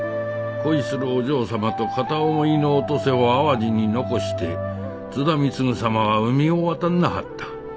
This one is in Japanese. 恋するお嬢様と片思いのお登勢を淡路に残して津田貢様は海を渡んなはった。